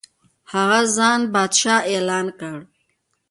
هغه ځان پادشاه اعلان کړ.